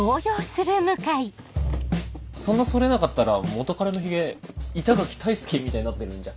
そんな剃れなかったら元カレのヒゲ板垣退助みたいになってるんじゃ？